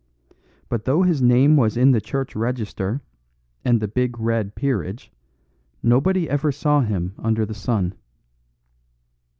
But though his name was in the church register and the big red Peerage, nobody ever saw him under the sun.